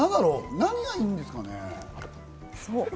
何がいいんですかね？